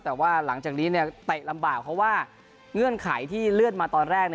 แต่ว่าหลังจากนี้เตะลำบากเพราะว่าเงื่อนไขที่เลื่อนมาตอนแรก